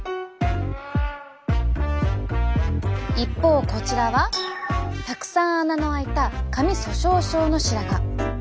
一方こちらはたくさん穴のあいた髪粗しょう症の白髪。